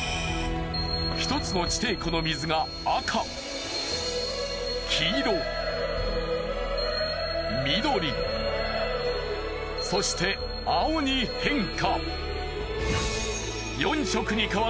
１つの地底湖の水が赤黄色緑そして青に変化。